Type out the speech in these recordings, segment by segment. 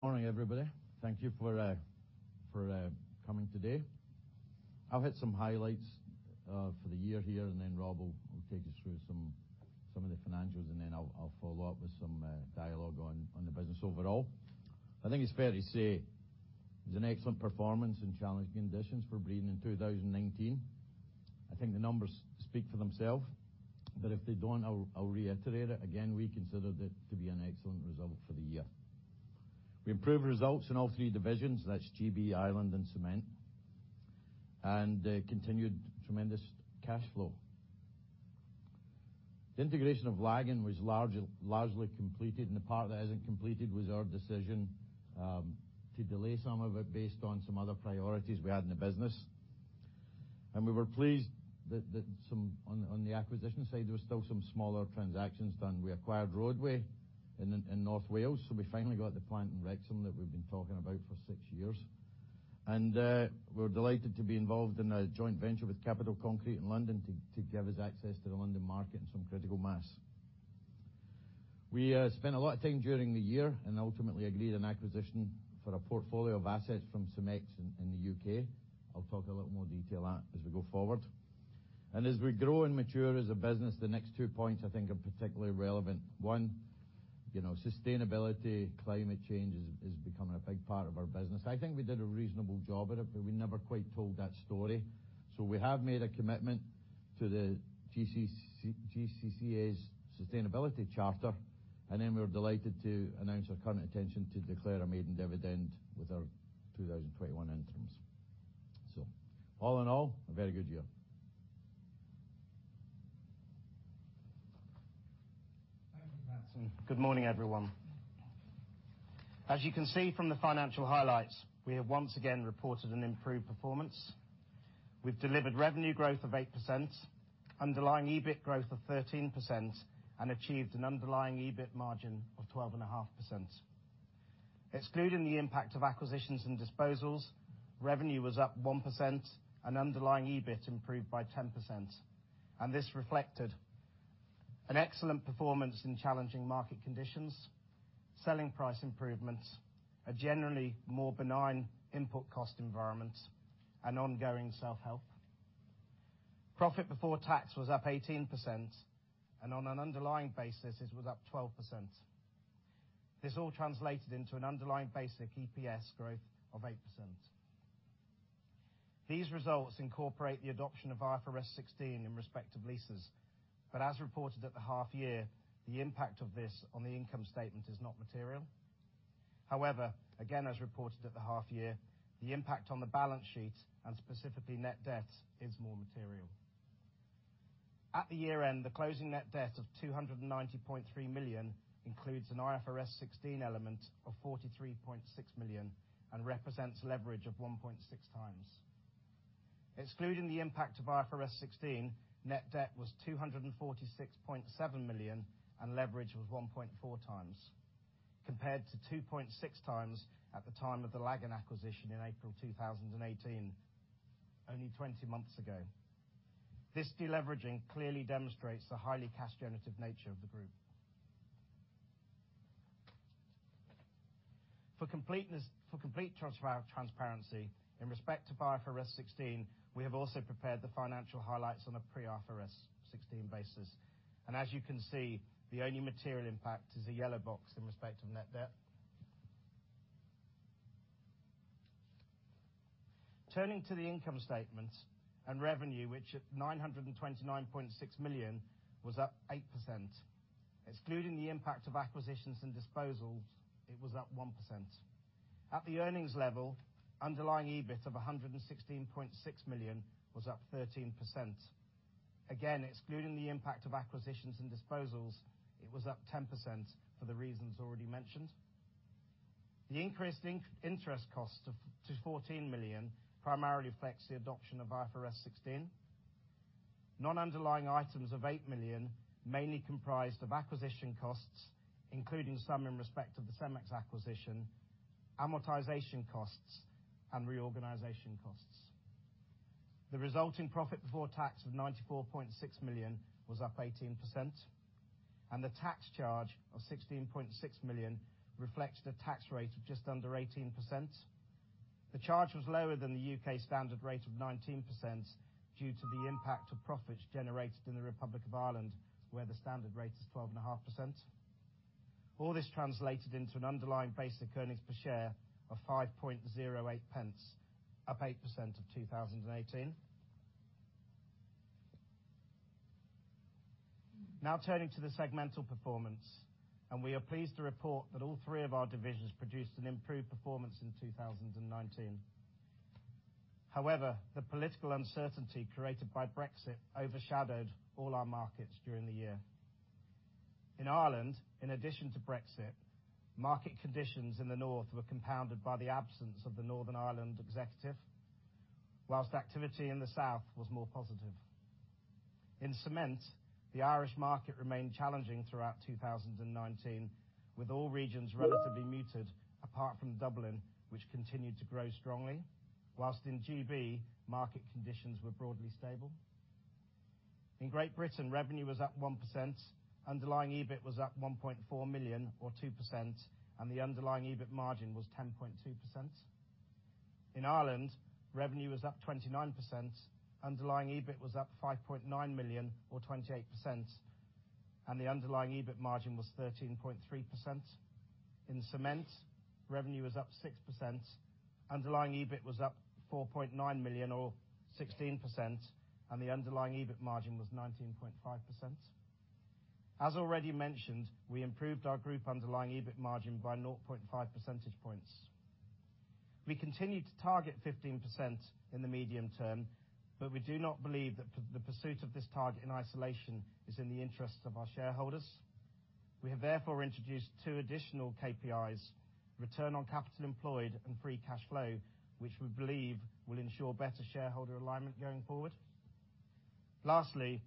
Morning, everybody. Thank you for coming today. I'll hit some highlights for the year here, and then Rob will take us through some of the financials, and then I'll follow up with some dialogue on the business overall. I think it's fair to say it was an excellent performance in challenging conditions for Breedon in 2019. I think the numbers speak for themselves, but if they don't, I'll reiterate it again. We considered it to be an excellent result for the year. We improved results in all three divisions. That's GB, Ireland, and Cement, and continued tremendous cash flow. The integration of Lagan was largely completed, and the part that isn't completed was our decision to delay some of it based on some other priorities we had in the business. We were pleased that on the acquisition side, there was still some smaller transactions done. We acquired Roadway in North Wales, so we finally got the plant in Wrexham that we've been talking about for six years. We're delighted to be involved in a joint venture with Capital Concrete in London to give us access to the London market and some critical mass. We spent a lot of time during the year and ultimately agreed an acquisition for a portfolio of assets from Cemex in the U.K. I'll talk a little more detail on that as we go forward. As we grow and mature as a business, the next two points I think are particularly relevant. One, sustainability. Climate change is becoming a big part of our business. I think we did a reasonable job at it, but we never quite told that story. We have made a commitment to the GCCA's Sustainability Charter, and then we were delighted to announce our current intention to declare a maiden dividend with our 2021 interims. All in all, a very good year. Good morning, everyone. As you can see from the financial highlights, we have once again reported an improved performance. We've delivered revenue growth of 8%, underlying EBIT growth of 13%, and achieved an underlying EBIT margin of 12.5%. Excluding the impact of acquisitions and disposals, revenue was up 1% and underlying EBIT improved by 10%. This reflected an excellent performance in challenging market conditions, selling price improvements, a generally more benign input cost environment and ongoing self-help. Profit before tax was up 18%, and on an underlying basis, it was up 12%. This all translated into an underlying basic EPS growth of 8%. These results incorporate the adoption of IFRS 16 in respect of leases, but as reported at the half year, the impact of this on the income statement is not material. Again, as reported at the half year, the impact on the balance sheet and specifically net debt is more material. At the year-end, the closing net debt of 290.3 million includes an IFRS 16 element of 43.6 million and represents leverage of 1.6x. Excluding the impact of IFRS 16, net debt was 246.7 million and leverage was 1.4x, compared to 2.6x at the time of the Lagan acquisition in April 2018, only 20 months ago. This deleveraging clearly demonstrates the highly cash generative nature of the group. For complete transparency in respect to IFRS 16, we have also prepared the financial highlights on a pre-IFRS 16 basis, and as you can see, the only material impact is the yellow box in respect of net debt. Turning to the income statement and revenue, which at 929.6 million was up 8%. Excluding the impact of acquisitions and disposals, it was up 1%. At the earnings level, underlying EBIT of 116.6 million was up 13%. Again, excluding the impact of acquisitions and disposals, it was up 10% for the reasons already mentioned. The increased interest cost to 14 million primarily reflects the adoption of IFRS 16. Non-underlying items of 8 million mainly comprised of acquisition costs, including some in respect of the Cemex acquisition, amortization costs and reorganization costs. The resulting profit before tax of 94.6 million was up 18%, and the tax charge of 16.6 million reflects the tax rate of just under 18%. The charge was lower than the U.K. standard rate of 19% due to the impact of profits generated in the Republic of Ireland, where the standard rate is 12.5%. All this translated into an underlying basic earnings per share of 0.0508, up 8% of 2018. Turning to the segmental performance, we are pleased to report that all three of our divisions produced an improved performance in 2019. The political uncertainty created by Brexit overshadowed all our markets during the year. In Ireland, in addition to Brexit, market conditions in the North were compounded by the absence of the Northern Ireland executive. While activity in the South was more positive. In Cement, the Irish market remained challenging throughout 2019, with all regions relatively muted apart from Dublin, which continued to grow strongly. While in GB, market conditions were broadly stable. In Great Britain, revenue was up 1%, underlying EBIT was up 1.4 million, or 2%, the underlying EBIT margin was 10.2%. In Ireland, revenue was up 29%, underlying EBIT was up 5.9 million, or 28%, the underlying EBIT margin was 13.3%. In Cement, revenue was up 6%, underlying EBIT was up 4.9 million, or 16%, and the underlying EBIT margin was 19.5%. As already mentioned, we improved our group underlying EBIT margin by 0.5 percentage points. We continue to target 15% in the medium term. We do not believe that the pursuit of this target in isolation is in the interests of our shareholders. We have therefore introduced two additional KPIs, return on capital employed and free cash flow, which we believe will ensure better shareholder alignment going forward. Lastly,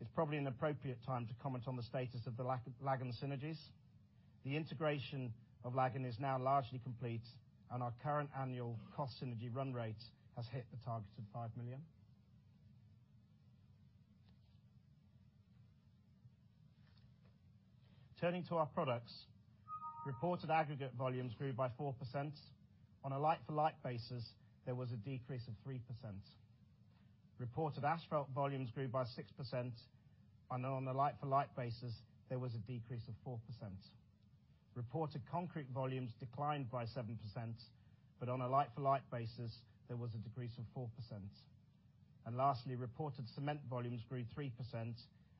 it's probably an appropriate time to comment on the status of the Lagan synergies. The integration of Lagan is now largely complete. Our current annual cost synergy run rate has hit the target of 5 million. Turning to our products, reported aggregate volumes grew by 4%. On a like-for-like basis, there was a decrease of 3%. Reported asphalt volumes grew by 6%. On a like-for-like basis, there was a decrease of 4%. Reported concrete volumes declined by 7%. On a like-for-like basis, there was a decrease of 4%. Lastly, reported cement volumes grew 3%.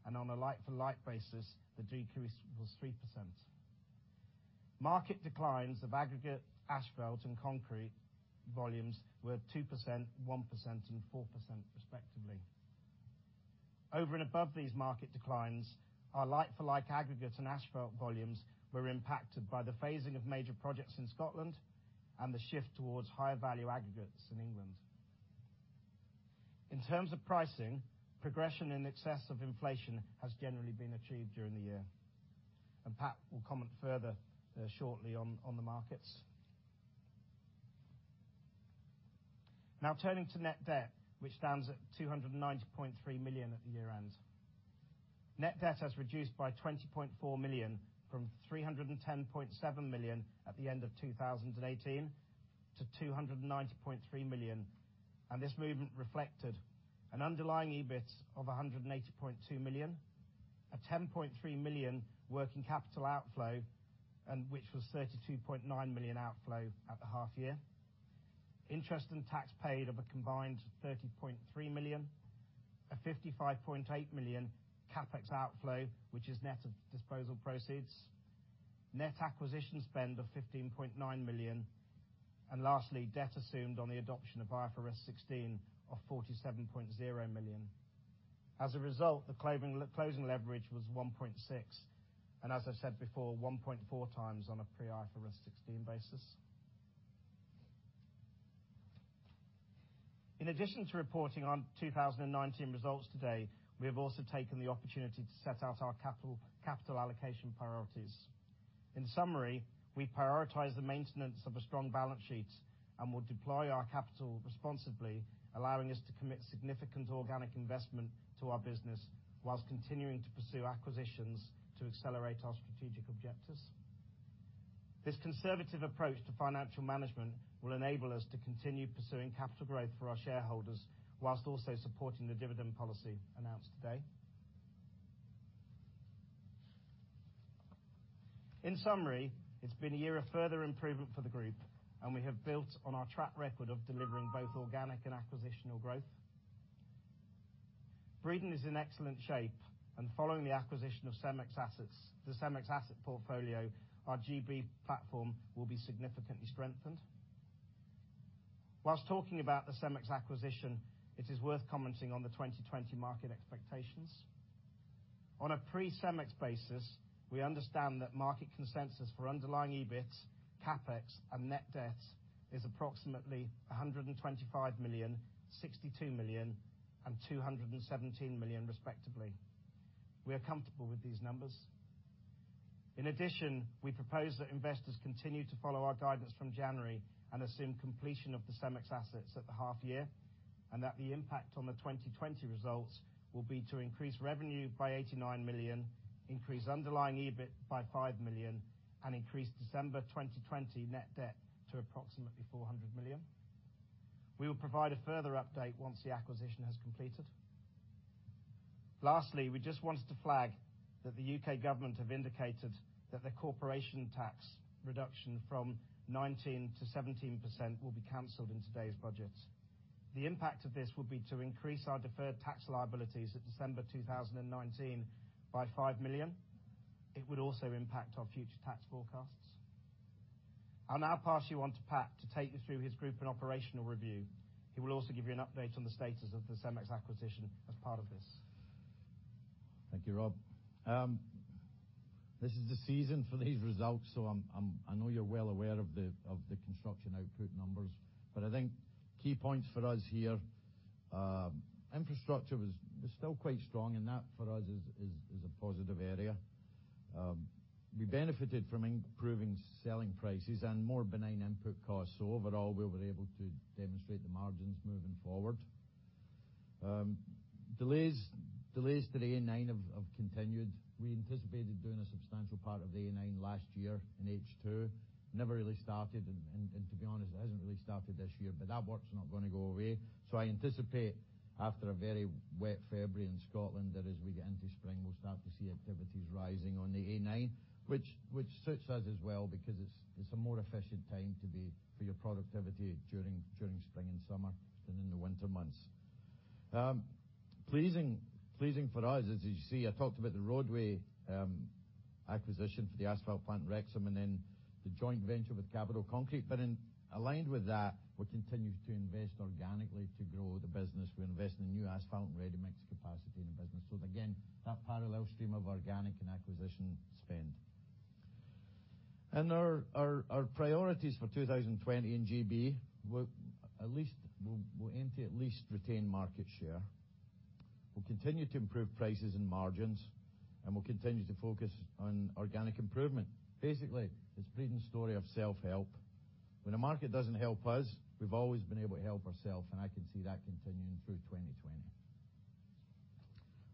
On a like-for-like basis, the decrease was 3%. Market declines of aggregate, asphalt, and concrete volumes were 2%, 1%, and 4%, respectively. Over and above these market declines, our like-for-like aggregate and asphalt volumes were impacted by the phasing of major projects in Scotland and the shift towards higher value aggregates in England. In terms of pricing, progression in excess of inflation has generally been achieved during the year. Pat will comment further shortly on the markets. Now turning to net debt, which stands at 290.3 million at the year-end. Net debt has reduced by 20.4 million from 310.7 million at the end of 2018 to 290.3 million. This movement reflected an underlying EBIT of 180.2 million, a 10.3 million working capital outflow, and which was 32.9 million outflow at the half year. Interest and tax paid of a combined 30.3 million, a 55.8 million CapEx outflow, which is net of disposal proceeds, net acquisition spend of 15.9 million, and lastly, debt assumed on the adoption of IFRS 16 of 47.0 million. As a result, the closing leverage was 1.6, and as I said before, 1.4x on a pre-IFRS 16 basis. In addition to reporting on 2019 results today, we have also taken the opportunity to set out our capital allocation priorities. In summary, we prioritize the maintenance of a strong balance sheet and will deploy our capital responsibly, allowing us to commit significant organic investment to our business while continuing to pursue acquisitions to accelerate our strategic objectives. This conservative approach to financial management will enable us to continue pursuing capital growth for our shareholders while also supporting the dividend policy announced today. In summary, it's been a year of further improvement for the group, and we have built on our track record of delivering both organic and acquisitional growth. Breedon is in excellent shape, and following the acquisition of the Cemex asset portfolio, our GB platform will be significantly strengthened. While talking about the Cemex acquisition, it is worth commenting on the 2020 market expectations. On a pre-Cemex basis, we understand that market consensus for underlying EBIT, CapEx, and net debt is approximately 125 million, 62 million, and 217 million, respectively. We are comfortable with these numbers. In addition, we propose that investors continue to follow our guidance from January and assume completion of the Cemex assets at the half year, and that the impact on the 2020 results will be to increase revenue by 89 million, increase underlying EBIT by 5 million, and increase December 2020 net debt to approximately 400 million. We will provide a further update once the acquisition has completed. Lastly, we just wanted to flag that the U.K. government have indicated that the corporation tax reduction from 19%-17% will be canceled in today's budget. The impact of this would be to increase our deferred tax liabilities at December 2019 by 5 million. It would also impact our future tax forecasts. I'll now pass you on to Pat to take you through his group and operational review. He will also give you an update on the status of the Cemex acquisition as part of this. Thank you, Rob. This is the season for these results, so I know you're well aware of the construction output numbers. I think key points for us here, infrastructure was still quite strong, and that for us is a positive area. We benefited from improving selling prices and more benign input costs. Overall, we were able to demonstrate the margins moving forward. Delays to the A9 have continued. We anticipated doing a substantial part of the A9 last year in H2, never really started, and to be honest, it hasn't really started this year, but that work's not going to go away. I anticipate after a very wet February in Scotland that as we get into spring, we'll start to see activities rising on the A9, which suits us as well because it's a more efficient time for your productivity during spring and summer than in the winter months. Pleasing for us is, as you see, I talked about the Roadway acquisition for the asphalt plant, Wrexham, and then the joint venture with Capital Concrete. Aligned with that, we continue to invest organically to grow the business. We invest in new asphalt and ready-mix capacity in the business. Again, that parallel stream of organic and acquisition spend. Our priorities for 2020 in GB, we'll aim to at least retain market share. We'll continue to improve prices and margins, and we'll continue to focus on organic improvement. Basically, it's Breedon's story of self-help. When a market doesn't help us, we've always been able to help ourself, and I can see that continuing through 2020.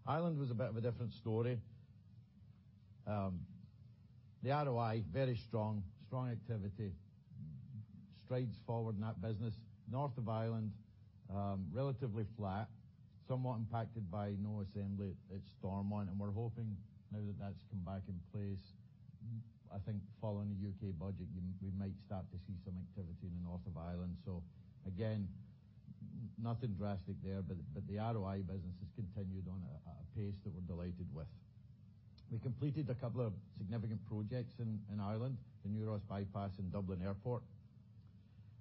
Ireland was a bit of a different story. The ROI, very strong. Strong activity, strides forward in that business. North of Ireland, relatively flat, somewhat impacted by no assembly at Stormont. We're hoping now that that's come back in place, I think following the U.K. budget, we might start to see some activity in the North of Ireland. Again, nothing drastic there, but the ROI business has continued on at a pace that we're delighted with. We completed a couple of significant projects in Ireland, the new Ross bypass and Dublin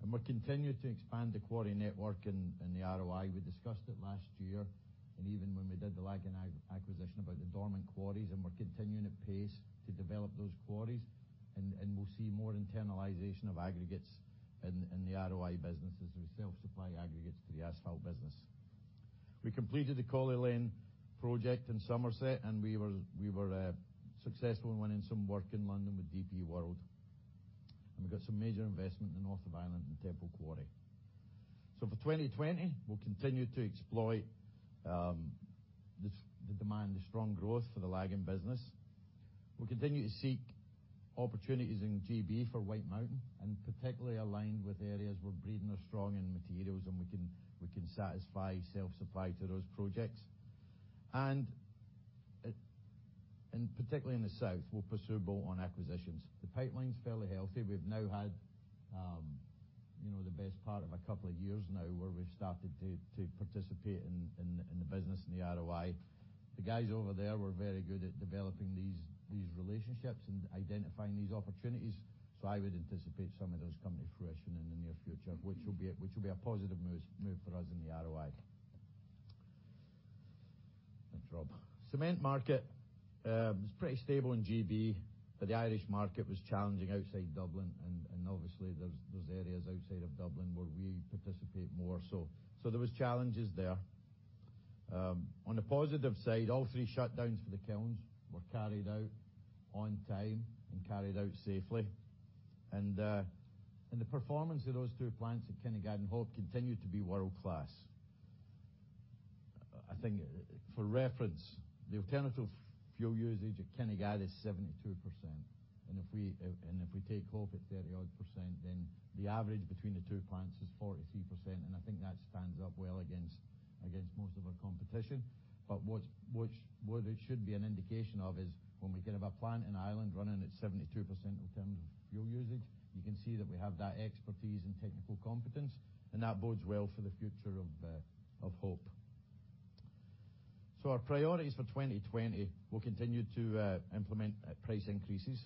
Airport. We continue to expand the quarry network in the ROI. We discussed it last year, and even when we did the Lagan acquisition, about the dormant quarries, and we're continuing at pace to develop those quarries, and we'll see more internalization of aggregates in the ROI businesses as we self-supply aggregates to the asphalt business. We completed the Colley Lane project in Somerset, and we were successful in winning some work in London with DP World. We got some major investment in the North of Ireland in Temple Quarry. For 2020, we'll continue to exploit the demand, the strong growth for the Lagan business. We'll continue to seek opportunities in GB for Whitemountain, and particularly aligned with areas where Breedon are strong in materials and we can satisfy self-supply to those projects. Particularly in the South, we'll pursue bolt-on acquisitions. The pipeline's fairly healthy. We've now had the best part of a couple of years now where we've started to participate in the business in the ROI. The guys over there were very good at developing these relationships and identifying these opportunities. I would anticipate some of those coming to fruition in the near future, which will be a positive move for us in the ROI. Thanks, Rob. Cement market was pretty stable in GB, but the Irish market was challenging outside Dublin, and obviously there's areas outside of Dublin where we participate more. There was challenges there. On the positive side, all three shutdowns for the kilns were carried out on time and carried out safely. The performance of those two plants at Kinnegad and Hope continue to be world-class. I think for reference, the alternative fuel usage at Kinnegad is 72%. If we take Hope at 30%-odd, the average between the two plants is 43%, and I think that stands up well against most of our competition. What it should be an indication of is when we can have a plant in Ireland running at 72% in terms of fuel usage, you can see that we have that expertise and technical competence, and that bodes well for the future of Hope. Our priorities for 2020, we'll continue to implement price increases.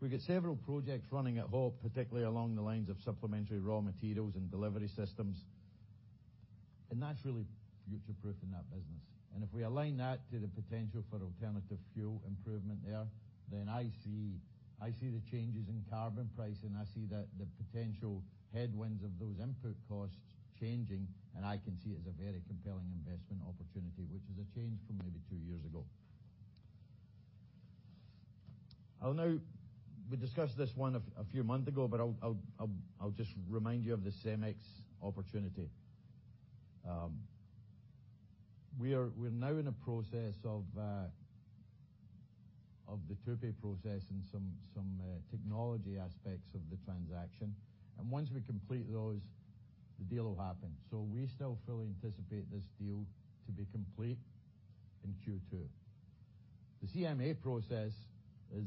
We got several projects running at Hope, particularly along the lines of supplementary raw materials and delivery systems. That's really future-proofing that business. If we align that to the potential for alternative fuel improvement there, I see the changes in carbon pricing. I see the potential headwinds of those input costs changing, and I can see it as a very compelling investment opportunity, which is a change from maybe two years ago. We discussed this one a few months ago, but I'll just remind you of the Cemex opportunity. We're now in a process of the TUPE process and some technology aspects of the transaction. Once we complete those, the deal will happen. We still fully anticipate this deal to be complete in Q2. The CMA process is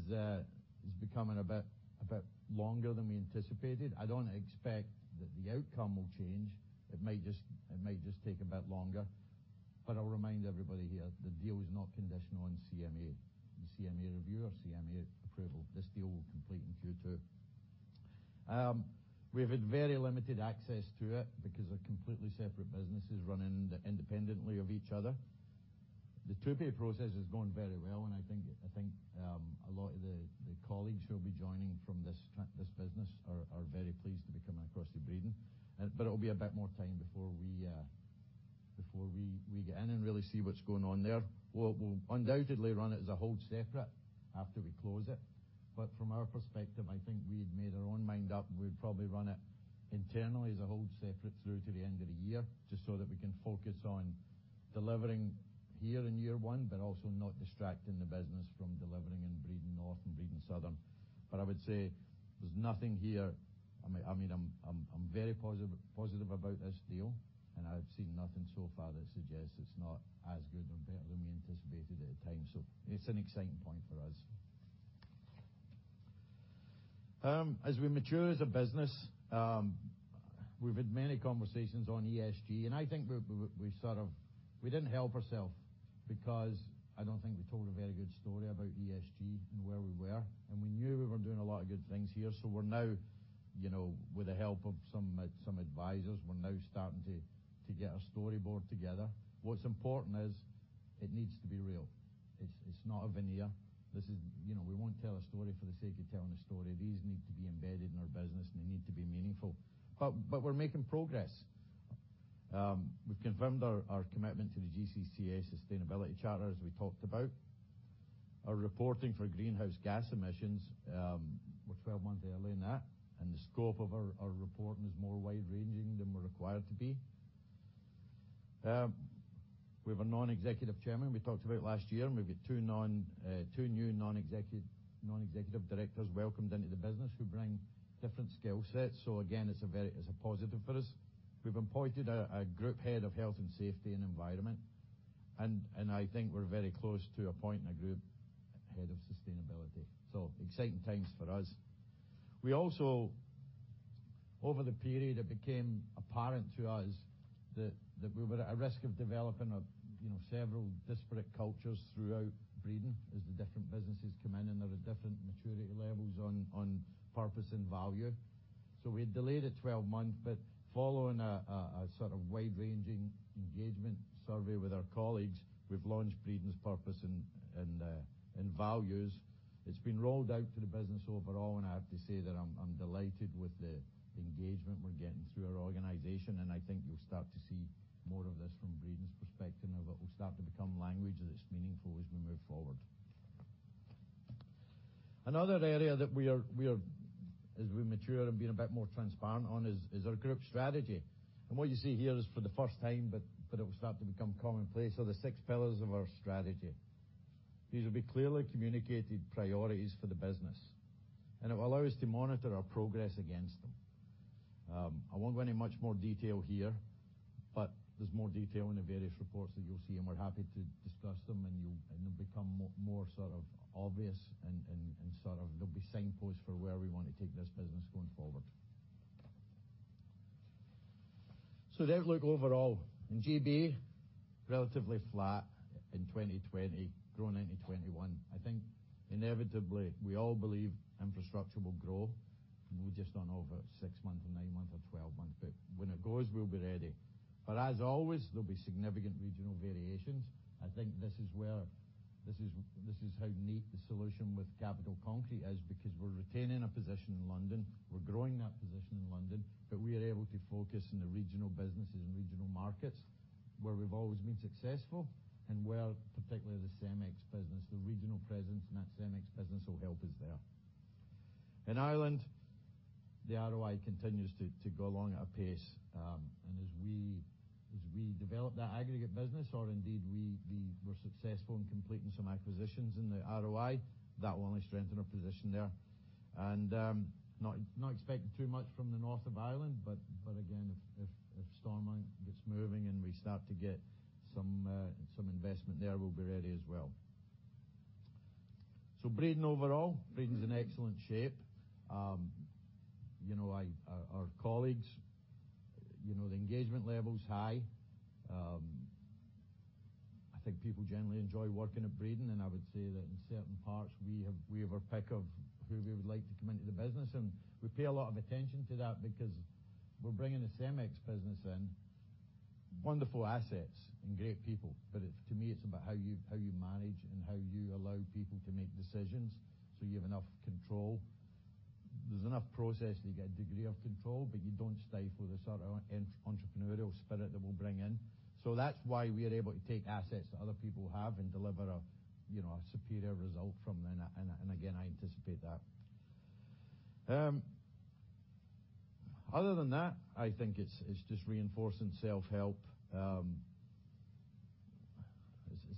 becoming a bit longer than we anticipated. I don't expect that the outcome will change. It may just take a bit longer, but I'll remind everybody here, the deal is not conditional on CMA, the CMA review or CMA approval. This deal will complete in Q2. We've had very limited access to it because they're completely separate businesses running independently of each other. The TUPE process is going very well, and I think colleagues who will be joining from this business are very pleased to be coming across to Breedon. It will be a bit more time before we get in and really see what's going on there. We'll undoubtedly run it as a hold separate after we close it. From our perspective, I think we've made our own mind up and we'd probably run it internally as a hold separate through to the end of the year, just so that we can focus on delivering here in year one, but also not distracting the business from delivering in Breedon Northern and Breedon Southern. I would say there's nothing here. I'm very positive about this deal, and I've seen nothing so far that suggests it's not as good or better than we anticipated at the time. It's an exciting point for us. As we mature as a business, we've had many conversations on ESG, and I think we didn't help ourself because I don't think we told a very good story about ESG and where we were. We knew we were doing a lot of good things here. We're now, with the help of some advisors, we're now starting to get a storyboard together. What's important is, it needs to be real. It's not a veneer, we won't tell a story for the sake of telling a story. These need to be embedded in our business, and they need to be meaningful. We're making progress. We've confirmed our commitment to the GCCA Sustainability Charter, as we talked about. Our reporting for greenhouse gas emissions, we're 12 months early on that, and the scope of our reporting is more wide-ranging than we're required to be. We have a non-executive chairman we talked about last year, and we've got two new non-executive directors welcomed into the business who bring different skill sets. Again, it's a positive for us. We've appointed a group head of health and safety and environment. I think we're very close to appointing a group head of sustainability. Exciting times for us. We also, over the period, it became apparent to us that we were at a risk of developing several disparate cultures throughout Breedon as the different businesses come in and there are different maturity levels on purpose and value. We had delayed it 12 months, but following a wide-ranging engagement survey with our colleagues, we've launched Breedon's purpose and values. It's been rolled out to the business overall, and I have to say that I'm delighted with the engagement we're getting through our organization. I think you'll start to see more of this from Breedon's perspective now that we start to become language that is meaningful as we move forward. Another area that as we mature and being a bit more transparent on is our group strategy. What you see here is for the first time, but it will start to become commonplace, are the six pillars of our strategy. These will be clearly communicated priorities for the business, and it will allow us to monitor our progress against them. I won't go into much more detail here, but there's more detail in the various reports that you'll see, and we're happy to discuss them and they'll become more obvious and they'll be signposts for where we want to take this business going forward. The outlook overall, in GB, relatively flat in 2020, growing into 2021. I think inevitably, we all believe infrastructure will grow. We just don't know if it's six months or nine months or 12 months, but when it goes, we'll be ready. As always, there'll be significant regional variations. I think this is how neat the solution with Capital Concrete is because we're retaining a position in London, we're growing that position in London, but we are able to focus on the regional businesses and regional markets where we've always been successful and where particularly the Cemex business, the regional presence in that Cemex business will help us there. In Ireland, the ROI continues to go along at a pace. As we develop that aggregate business, or indeed we're successful in completing some acquisitions in the ROI, that will only strengthen our position there. Not expecting too much from the North of Ireland, but again, if Stormont gets moving and we start to get some investment there, we'll be ready as well. Breedon overall, Breedon is in excellent shape. Our colleagues, the engagement level is high. I think people generally enjoy working at Breedon, and I would say that in certain parts, we have our pick of who we would like to come into the business. We pay a lot of attention to that because we're bringing the Cemex business in. Wonderful assets and great people. To me, it's about how you manage and how you allow people to make decisions so you have enough control. There's enough process that you get a degree of control, but you don't stifle the entrepreneurial spirit that we'll bring in. That's why we are able to take assets that other people have and deliver a superior result from then. Again, I anticipate that. Other than that, I think it's just reinforcing self-help.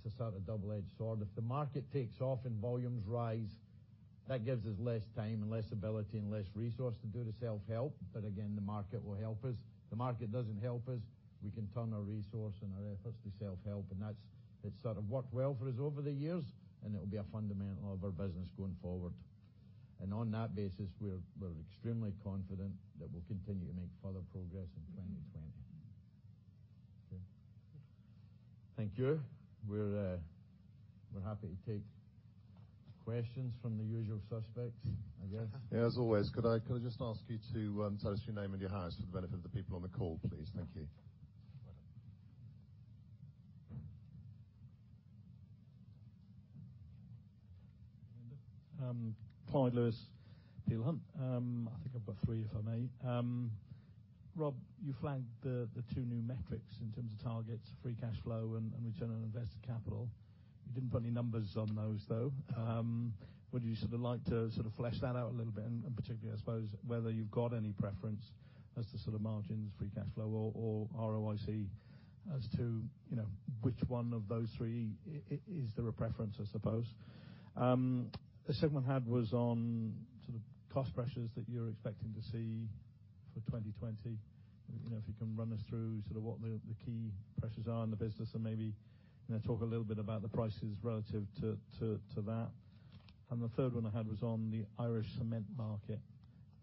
It's a sort of double-edged sword. If the market takes off and volumes rise, that gives us less time and less ability and less resource to do the self-help. Again, the market will help us. If the market doesn't help us, we can turn our resource and our efforts to self-help, and that's sort of worked well for us over the years, and it will be a fundamental of our business going forward. On that basis, we're extremely confident that we'll continue to make further progress in 2020. Thank you, we're happy to take questions from the usual suspects, I guess. Yeah, as always. Could I just ask you to tell us your name and your firm for the benefit of the people on the call, please? Thank you. Hi, Clyde Lewis from Peel Hunt. I think I've got three, if I may. Rob, you flagged the two new metrics in terms of targets, free cash flow and return on invested capital. You didn't put any numbers on those, though. Would you like to flesh that out a little bit? Particularly, I suppose, whether you've got any preference as to margins, free cash flow, or ROIC as to which one of those three, is there a preference, I suppose? The second one I had was on cost pressures that you're expecting to see for 2020. If you can run us through what the key pressures are in the business and maybe talk a little bit about the prices relative to that? The third one I had was on the Irish cement market.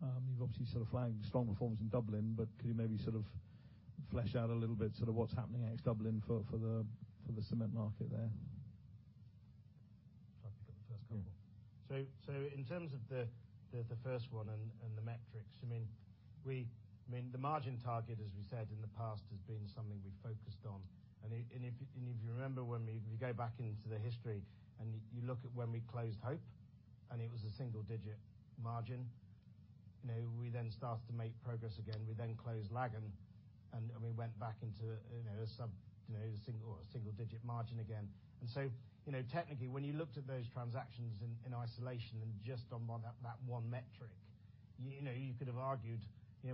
You've obviously flagged strong performance in Dublin, but could you maybe flesh out a little bit sort of what's happening ex-Dublin for the cement market there? Happy to get the first couple. In terms of the first one and the metrics, the margin target, as we said, in the past has been something we focused on. If you remember, when we go back into the history and you look at when we closed Hope and it was a single-digit margin, we then started to make progress again. We then closed Lagan and we went back into a single-digit margin again. Technically, when you looked at those transactions in isolation and just on that one metric, you could have argued,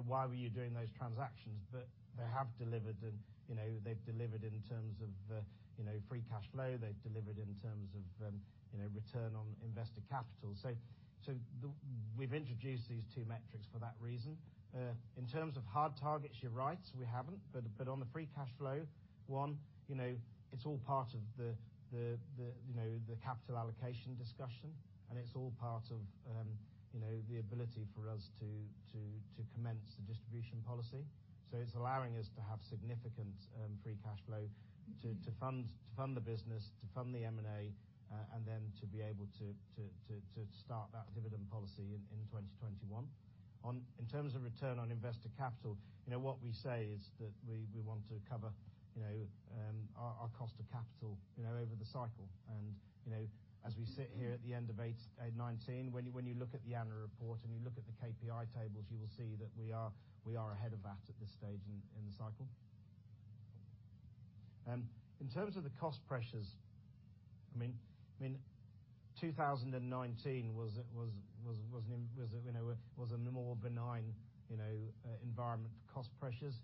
why were you doing those transactions? They have delivered, and they've delivered in terms of free cash flow. They've delivered in terms of return on invested capital. We've introduced these two metrics for that reason. In terms of hard targets, you're right, we haven't. On the free cash flow, one, it's all part of the capital allocation discussion, and it's all part of the ability for us to commence the distribution policy. It's allowing us to have significant free cash flow to fund the business, to fund the M&A, and then to be able to start that dividend policy in 2021. In terms of return on invested capital, what we say is that we want to cover our cost of capital over the cycle. As we sit here at the end of 2019, when you look at the annual report and you look at the KPI tables, you will see that we are ahead of that at this stage in the cycle. In terms of the cost pressures, 2019 was a more benign environment for cost pressures.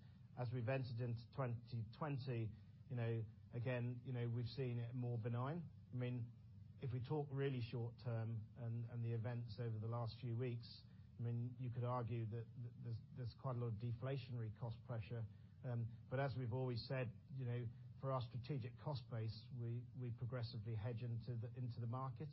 As we've entered into 2020, again, we've seen it more benign. We talk really short term and the events over the last few weeks, you could argue that there's quite a lot of deflationary cost pressure. As we've always said, for our strategic cost base, we progressively hedge into the market.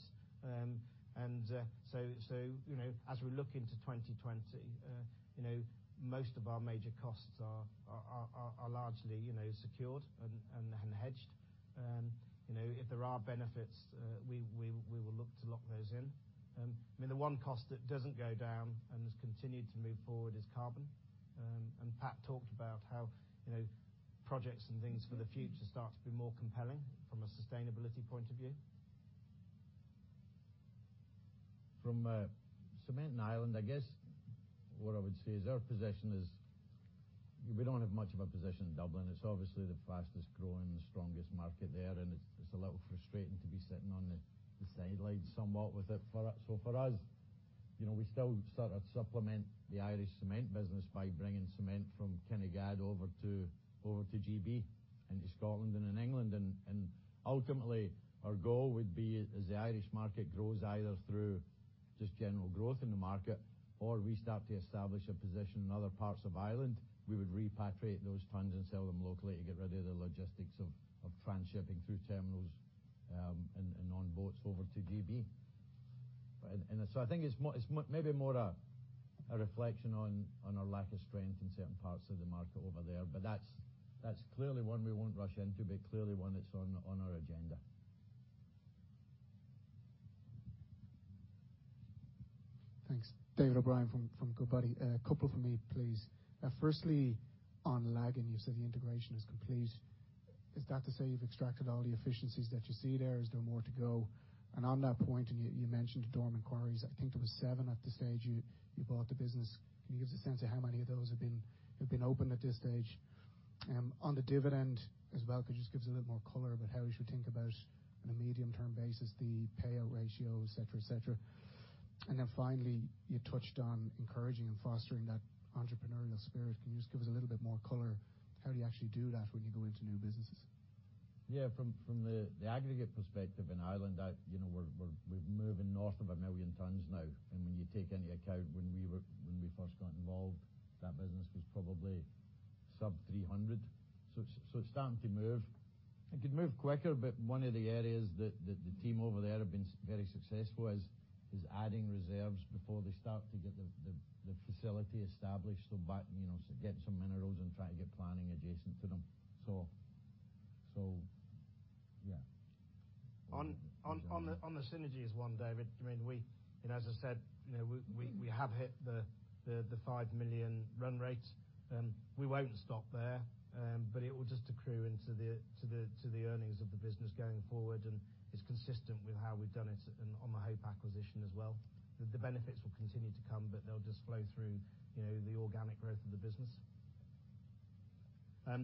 As we look into 2020, most of our major costs are largely secured and hedged. There are benefits, we will look to lock those in. The one cost that doesn't go down and has continued to move forward is carbon. Pat talked about how projects and things for the future start to be more compelling from a sustainability point of view. From cement in Ireland, I guess what I would say is our position is we don't have much of a position in Dublin. It's obviously the fastest-growing and the strongest market there, it's a little frustrating to be sitting on the sidelines somewhat with it. For us, we still sort of supplement the Irish cement business by bringing cement from Kinnegad over to GB and to Scotland and England. Ultimately, our goal would be as the Irish market grows, either through just general growth in the market or we start to establish a position in other parts of Ireland, we would repatriate those tons and sell them locally to get rid of the logistics of transshipping through terminals and on boats over to GB. I think it's maybe more a reflection on our lack of strength in certain parts of the market over there. That's clearly one we won't rush into, but clearly one that's on our agenda. Thanks. David O'Brien from Goodbody. A couple from me, please. Firstly, on Lagan, you said the integration is complete. Is that to say you've extracted all the efficiencies that you see there? Is there more to go? On that point, you mentioned dormant quarries, I think there were seven at the stage you bought the business. Can you give us a sense of how many of those have been open at this stage? On the dividend as well, could you just give us a little more color about how we should think about, on a medium-term basis, the payout ratio, etc? Then finally, you touched on encouraging and fostering that entrepreneurial spirit. Can you just give us a little bit more color? How do you actually do that when you go into new businesses? Yeah, from the aggregate perspective in Ireland, we're moving north of 1 million tons now. When you take into account when we first got involved, that business was probably sub-300. It's starting to move. It could move quicker, but one of the areas that the team over there have been very successful is adding reserves before they start to get the facility established. Get some minerals and try to get planning adjacent to them. On the synergies one, David, as I said, we have hit the 5 million run rate. We won't stop there, but it will just accrue into the earnings of the business going forward and is consistent with how we've done it on the Hope acquisition as well. The benefits will continue to come, but they'll just flow through the organic growth of the business. The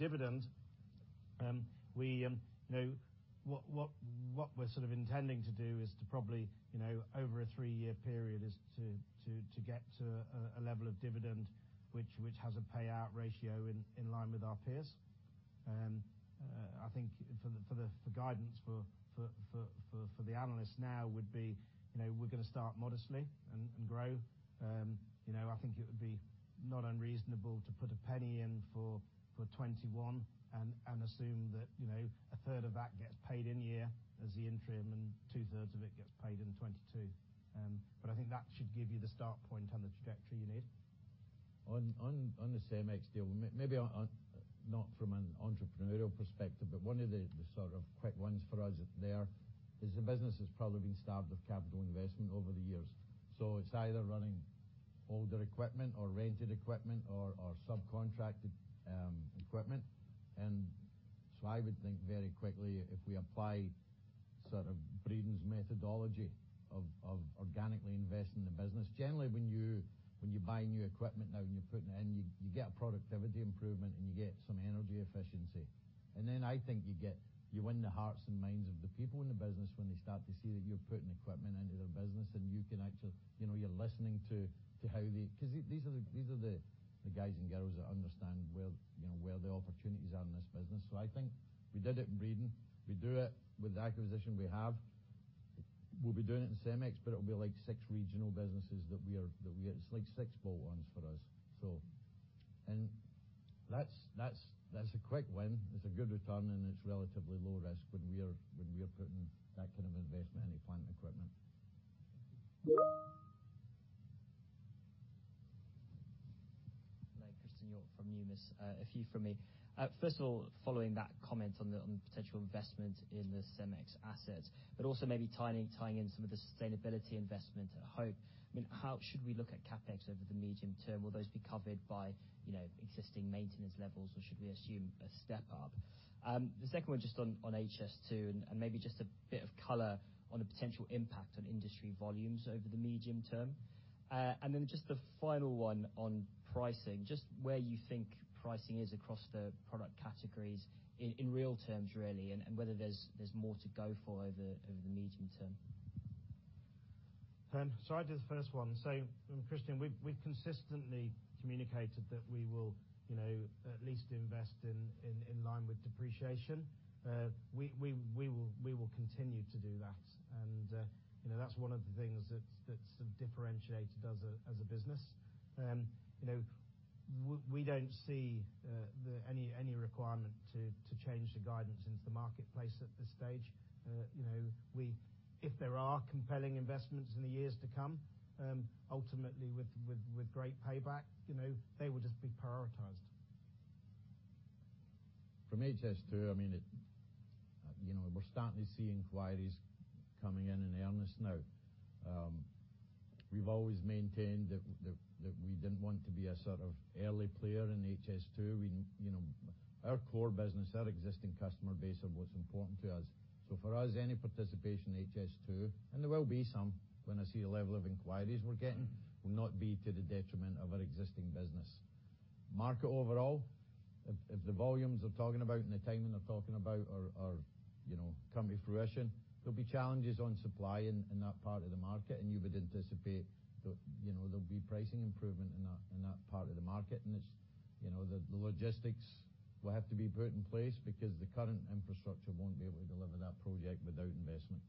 dividend, what we're intending to do is to probably, over a three-year period, is to get to a level of dividend which has a payout ratio in line with our peers. I think for guidance for the analysts now would be, we're going to start modestly and grow. I think it would be not unreasonable to put GBP 0.01 in for 2021 and assume that 1/3 of that gets paid in year as the interim and 2/3 of it gets paid in 2022. I think that should give you the start point on the trajectory you need. On the Cemex deal, maybe not from an entrepreneurial perspective, but one of the sort of quick wins for us there is the business has probably been starved of capital investment over the years. It's either running older equipment or rented equipment or subcontracted equipment. I would think very quickly, if we apply Breedon's methodology of organically investing in the business, generally when you buy new equipment now and you're putting it in, you get a productivity improvement and you get some energy efficiency. I think you win the hearts and minds of the people in the business when they start to see that you're putting equipment into their business and you're listening to. These are the guys and girls that understand where the opportunities are in this business. I think we did it in Breedon, we do it with the acquisition we have. We'll be doing it in Cemex, but it will be like six regional businesses. It's like six bolt-ons for us. That's a quick win. It's a good return and it's relatively low risk when we are putting that kind of investment in equipment. Thank you. Christen Hjorth from Numis. A few from me. First of all, following that comment on the potential investment in the Cemex assets, but also maybe tying in some of the sustainability investment at Hope, how should we look at CapEx over the medium term? Will those be covered by existing maintenance levels or should we assume a step up? The second one, on HS2 and maybe a bit of color on a potential impact on industry volumes over the medium term. The final one on pricing, where you think pricing is across the product categories in real terms, really, and whether there's more to go for over the medium term? I did the first one. Christen, we've consistently communicated that we will at least invest in line with depreciation. We will continue to do that. That's one of the things that's differentiated us as a business. We don't see any requirement to change the guidance into the marketplace at this stage. If there are compelling investments in the years to come, ultimately with great payback, they will just be prioritized. From HS2, we're starting to see inquiries coming in earnest now. We've always maintained that we didn't want to be a sort of early player in HS2. Our core business, our existing customer base was important to us. For us, any participation in HS2, and there will be some when I see the level of inquiries we're getting, will not be to the detriment of our existing business. Market overall, if the volumes they're talking about and the timing they're talking about come to fruition, there'll be challenges on supply in that part of the market and you would anticipate there'll be pricing improvement in that part of the market. The logistics will have to be put in place because the current infrastructure won't be able to deliver that project without investment.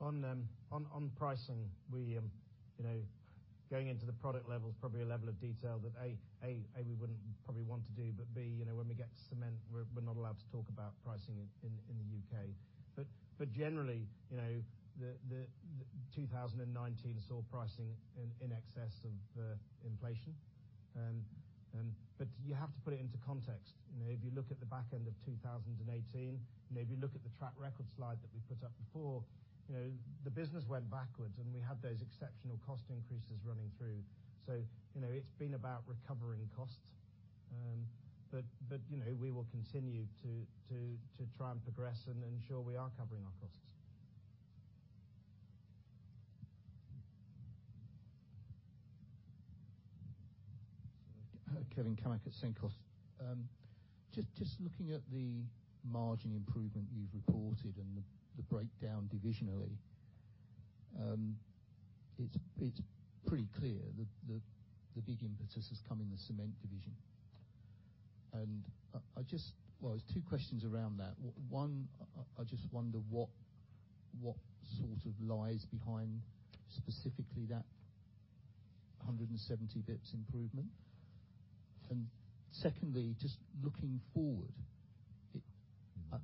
On pricing, going into the product level is probably a level of detail that, A, we wouldn't probably want to do, but B, when we get to cement, we're not allowed to talk about pricing in the U.K. Generally, 2019 saw pricing in excess of inflation. You have to put it into context. If you look at the back end of 2018, if you look at the track record slide that we put up before, the business went backwards and we had those exceptional cost increases running through. It's been about recovering costs. We will continue to try and progress and ensure we are covering our costs. Kevin Cammack at Cenkos. Just looking at the margin improvement you've reported and the breakdown divisionally, it's pretty clear that the big impetus has come in the cement division. There's two questions around that. One, I just wonder what sort of lies behind specifically that 170 basis points improvement. Secondly, just looking forward,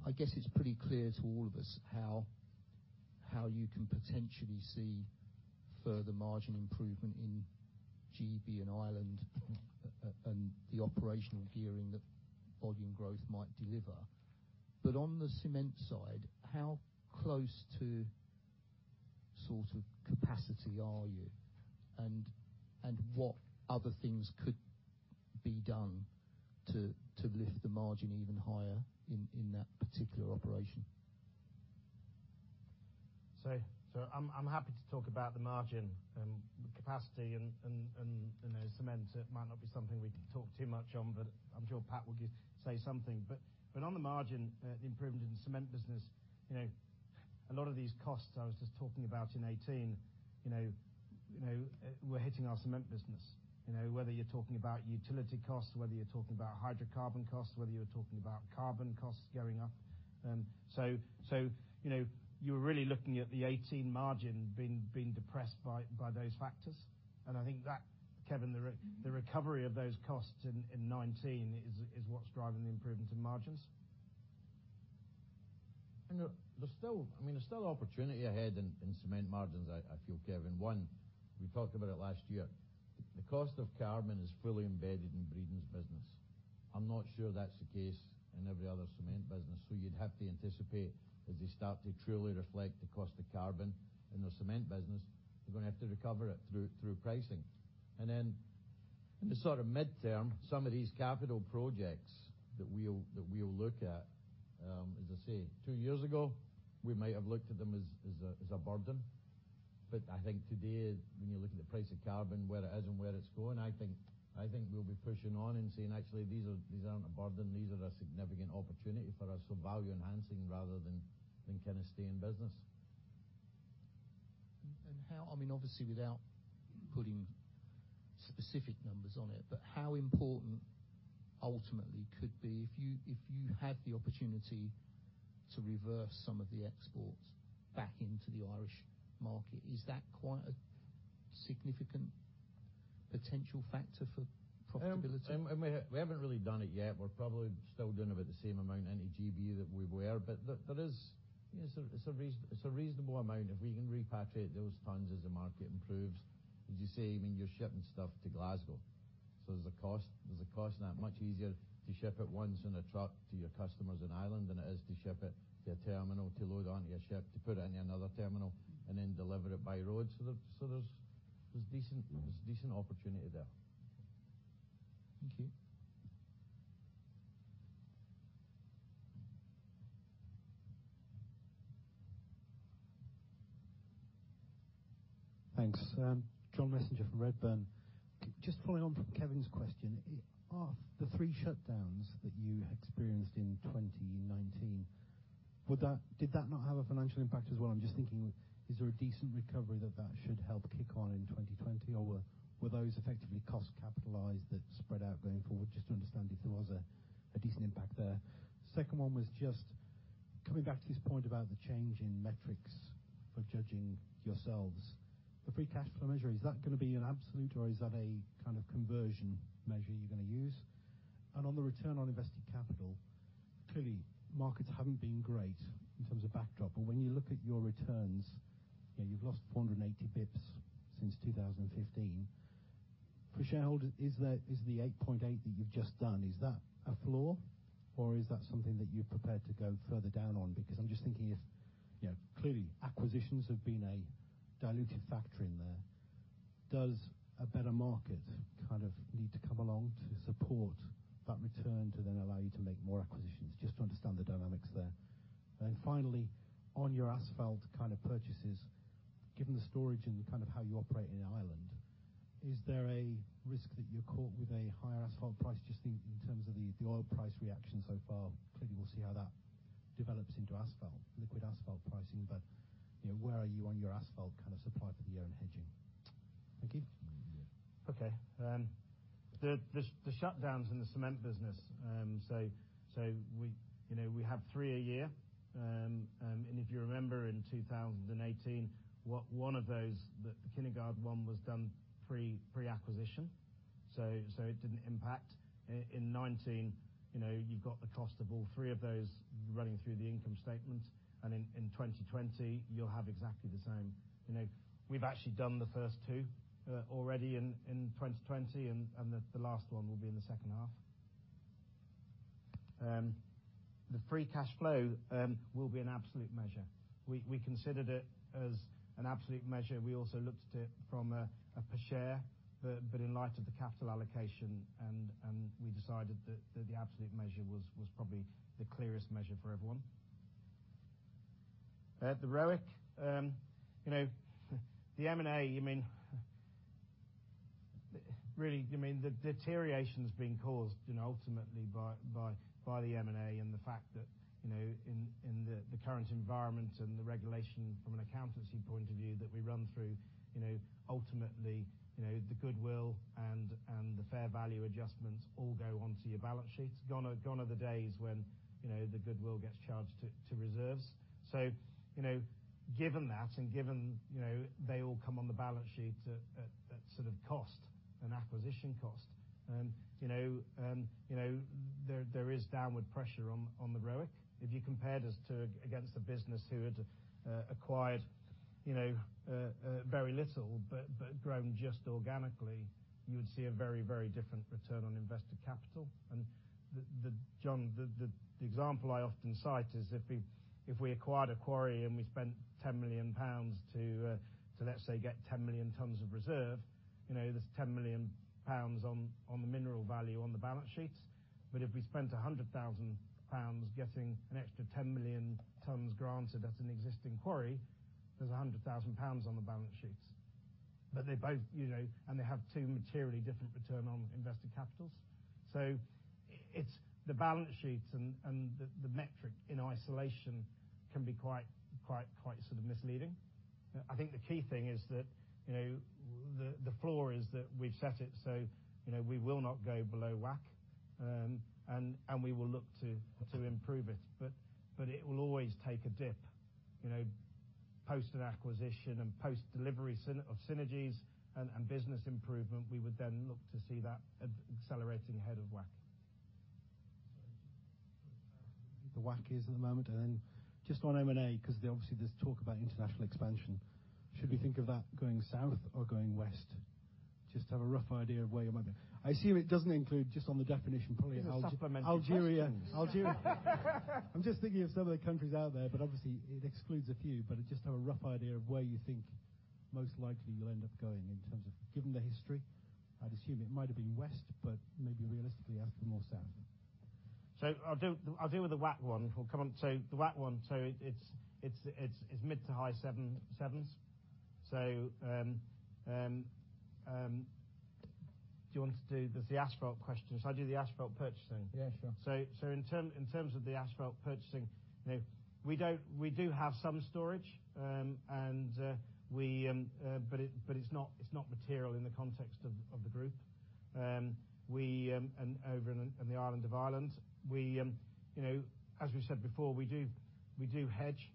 I guess it's pretty clear to all of us how you can potentially see further margin improvement in GB and Ireland, and the operational gearing that volume growth might deliver. On the cement side, how close to capacity are you? What other things could be done to lift the margin even higher in that particular operation? I'm happy to talk about the margin. Capacity and cement might not be something we can talk too much on, but I'm sure Pat will say something. On the margin, the improvement in the cement business, a lot of these costs I was just talking about in 2018, were hitting our cement business. Whether you're talking about utility costs, whether you're talking about hydrocarbon costs, whether you're talking about carbon costs going up. You're really looking at the 2018 margin being depressed by those factors. I think that, Kevin, the recovery of those costs in 2019 is what's driving the improvement in margins. There's still opportunity ahead in cement margins, I feel, Kevin. One, we talked about it last year. The cost of carbon is fully embedded in Breedon's business. I'm not sure that's the case in every other cement business. You'd have to anticipate, as they start to truly reflect the cost of carbon in their cement business, they're going to have to recover it through pricing. In the midterm, some of these capital projects that we'll look at, as I say, two years ago, we might have looked at them as a burden. I think today, when you look at the price of carbon, where it is and where it's going, I think we'll be pushing on and seeing, actually, these aren't a burden. These are a significant opportunity for us. Value enhancing rather than kind of stay in business. How, obviously without putting specific numbers on it, but how important, ultimately, could be if you have the opportunity to reverse some of the exports back into the Irish market? Is that quite a significant potential factor for profitability? We haven't really done it yet. We're probably still doing about the same amount into GB that we were. It's a reasonable amount if we can repatriate those tons as the market improves. As you say, when you're shipping stuff to Glasgow. There's a cost in that. Much easier to ship it once in a truck to your customers in Ireland than it is to ship it to a terminal, to load onto a ship, to put it in another terminal, and then deliver it by road. There's decent opportunity there. Thank you. Thanks. John Messenger from Redburn. Just following on from Kevin's question, of the three shutdowns that you experienced in 2019, did that not have a financial impact as well? Is there a decent recovery that should help kick on in 2020? Were those effectively costs capitalized that spread out going forward? To understand if there was a decent impact there. Second one was coming back to this point about the change in metrics for judging yourselves. The free cash flow measure, is that going to be an absolute or is that a kind of conversion measure you're going to use? On the return on invested capital, clearly markets haven't been great in terms of backdrop. When you look at your returns, you've lost 480 basis points since 2015. For shareholders, is the 8.8 that you've just done, is that a floor, or is that something that you're prepared to go further down on? I'm just thinking if, clearly acquisitions have been a dilutive factor in there. Does a better market kind of need to come along to support that return to then allow you to make more acquisitions? Just to understand the dynamics there. Finally, on your asphalt kind of purchases, given the storage and kind of how you operate in Ireland, is there a risk that you're caught with a higher asphalt price, just in terms of the oil price reaction so far? Clearly, we'll see how that develops into asphalt, liquid asphalt pricing, where are you on your asphalt kind of supply for the year and hedging? Thank you. Okay. The shutdowns in the cement business, we have three a year. If you remember in 2018, one of those, the Kinnegad one was done pre-acquisition. It didn't impact. In 2019, you've got the cost of all three of those running through the income statement. In 2020, you'll have exactly the same. We've actually done the first two already in 2020, and the last one will be in the second half. The free cash flow will be an absolute measure. We considered it as an absolute measure. We also looked at it from a per share, but in light of the capital allocation, and we decided that the absolute measure was probably the clearest measure for everyone. The ROIC, the M&A, really, the deterioration is being caused ultimately by the M&A and the fact that, in the current environment and the regulation from an accountancy point of view that we run through, ultimately, the goodwill and the fair value adjustments all go onto your balance sheet. Gone are the days when the goodwill gets charged to reserves. Given that, and given they all come on the balance sheet at sort of cost and acquisition cost, there is downward pressure on the ROIC. If you compared us against a business who had acquired very little, but grown just organically, you would see a very different return on invested capital. John, the example I often cite is if we acquired a quarry and we spent 10 million pounds to, let's say, get 10 million tons of reserve, there is 10 million pounds on the mineral value on the balance sheets. If we spent 100,000 pounds getting an extra 10 million tons granted at an existing quarry, there's 100,000 pounds on the balance sheets. They have two materially different return on invested capitals. It's the balance sheets and the metric in isolation can be quite sort of misleading. I think the key thing is that the floor is that we've set it so we will not go below WACC, and we will look to improve it. It will always take a dip post an acquisition and post delivery of synergies and business improvement, we would then look to see that accelerating ahead of WACC. The WACC is at the moment. Then just on M&A, because obviously there's talk about international expansion. Should we think of that going South or going West? Just to have a rough idea of where you might be. I assume it doesn't include just on the definition, probably Algeria. It's a supplementary question. I'm just thinking of some of the countries out there, but obviously, it excludes a few. Just to have a rough idea of where you think most likely you'll end up going in terms of given the history. I'd assume it might have been West, but maybe realistically, Africa more South. I'll deal with the WACC one. We'll come on to the WACC one. It's mid to high sevens. Do you want to do the asphalt question? Should I do the asphalt purchasing? Yeah, sure. In terms of the asphalt purchasing, we do have some storage, but it's not material in the context of the Group. Over in the island of Ireland, as we said before, we do hedge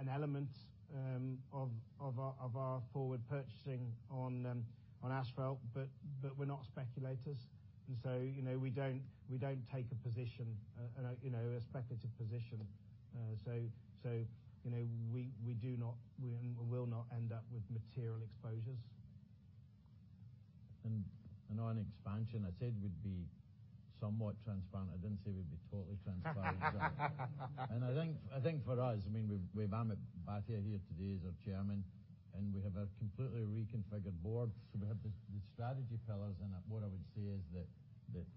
an element of our forward purchasing on asphalt, but we're not speculators, we don't take a position, a speculative position. We do not, we will not end up with material exposures. On expansion, I said we'd be somewhat transparent. I didn't say we'd be totally transparent. I think for us, we've Amit Bhatia here today as our Chairman, and we have a completely reconfigured board. We have the strategy pillars, and what I would say is that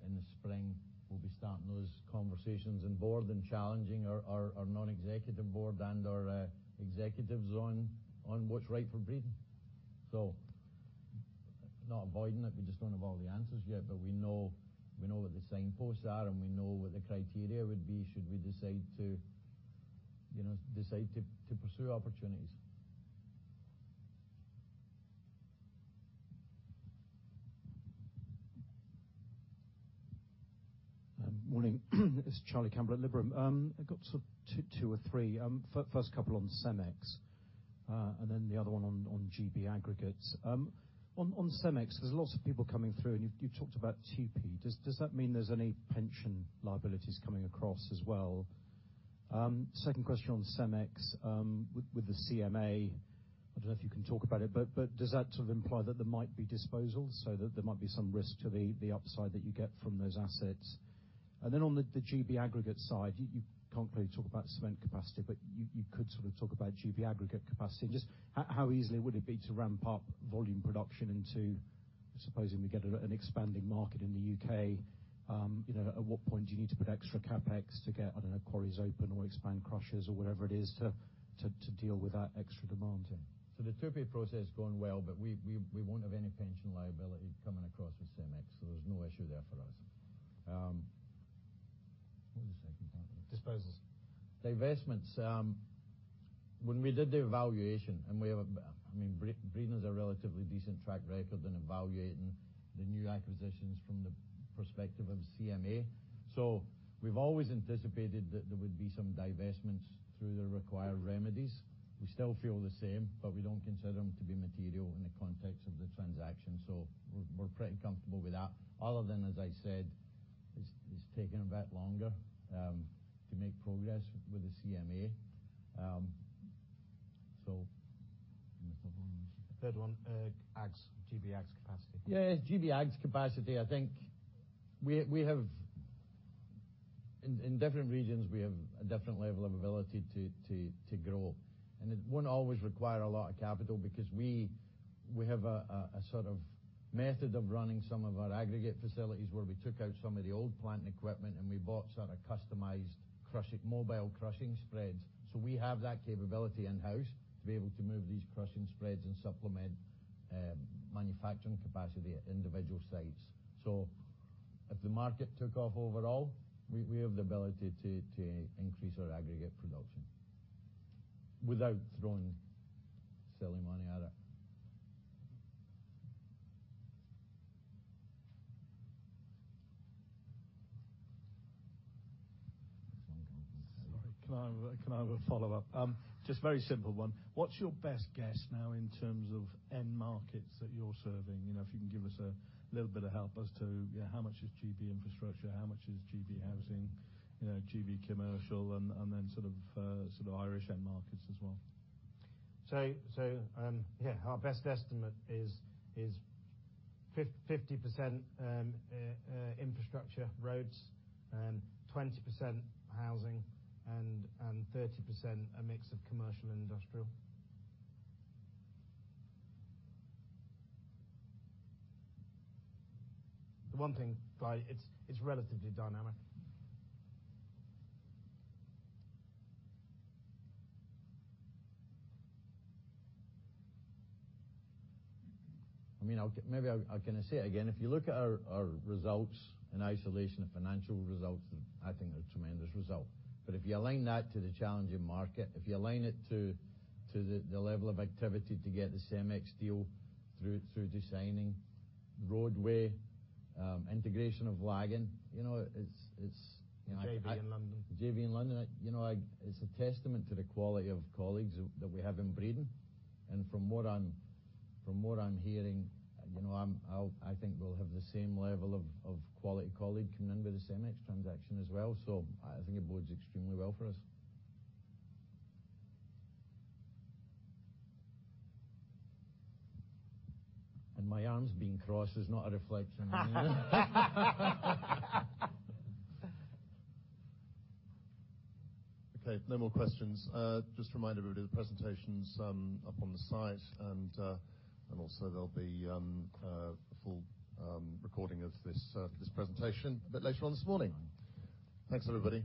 in the spring, we'll be starting those conversations and board and challenging our non-executive board and our executives on what's right for Breedon. Not avoiding it, we just don't have all the answers yet, but we know what the signposts are, and we know what the criteria would be should we decide to pursue opportunities. Morning. It's Charlie Campbell at Liberum. I got sort of two or three. First couple on Cemex, then the other one on GB Aggregates. On Cemex, there's lots of people coming through, you talked about TUPE. Does that mean there's any pension liabilities coming across as well? Second question on Cemex, with the CMA, I don't know if you can talk about it, does that sort of imply that there might be disposals, there might be some risk to the upside that you get from those assets? On the GB Aggregates side, you can't really talk about cement capacity, you could sort of talk about GB Aggregates capacity. Just how easily would it be to ramp up volume production into supposing we get an expanding market in the U.K., at what point do you need to put extra CapEx to get, I don't know, quarries open or expand crushers or whatever it is to deal with that extra demand? The TUPE process has gone well, but we won't have any pension liability coming across with Cemex, so there's no issue there for us. What was the second part? Divestments. Divestments. When we did the evaluation, Breedon has a relatively decent track record in evaluating the new acquisitions from the perspective of CMA. We've always anticipated that there would be some divestments through the required remedies. We still feel the same, but we don't consider them to be material in the context of the transaction. We're pretty comfortable with that. Other than, as I said, it's taking a bit longer to make progress with the CMA. The third one was? Third one, Aggs, GB Aggs capacity. Yeah, GB Aggs capacity. I think we have in different regions, we have a different level of ability to grow. It won't always require a lot of capital because we have a sort of method of running some of our aggregate facilities where we took out some of the old plant and equipment and we bought sort of customized mobile crushing spreads. We have that capability in-house to be able to move these crushing spreads and supplement manufacturing capacity at individual sites. If the market took off overall, we have the ability to increase our aggregate production without throwing silly money at it. Sorry, can I have a follow-up? Just very simple one. What's your best guess now in terms of end markets that you're serving? If you can give us a little bit of help as to how much is GB infrastructure, how much is GB housing, GB commercial, and then sort of Irish end markets as well. Yeah, our best estimate is 50% infrastructure, roads, 20% housing, and 30% a mix of commercial and industrial. The one thing, guys, it's relatively dynamic. I mean, maybe I can say again, if you look at our results in isolation of financial results, I think they're a tremendous result. If you align that to the challenging market, if you align it to the level of activity to get the Cemex deal through to signing, Roadway, integration of Lagan. The JV in London. The JV in London. It's a testament to the quality of colleagues that we have in Breedon. From what I'm hearing, I think we'll have the same level of quality colleague coming in with the Cemex transaction as well. I think it bodes extremely well for us. My arms being crossed is not a reflection on you. Okay, no more questions. Just remind everybody the presentation's up on the site, and also there'll be a full recording of this presentation a bit later on this morning. Thanks, everybody.